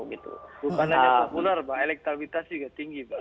bukan hanya populer pak elektabilitas juga tinggi pak